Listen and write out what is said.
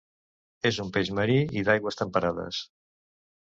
És un peix marí i d'aigües temperades.